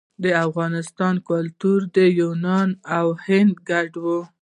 د افغانستان کلتور د یونان او هند ګډ و